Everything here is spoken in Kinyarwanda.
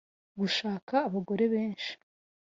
Gushaka abagore benshi